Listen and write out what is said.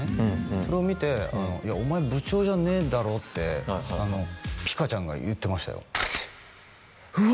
それを見ていやお前部長じゃねえだろってピカちゃんが言ってましたよマジ？